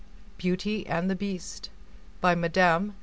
BEAUTY AND THE BEAST By Mme.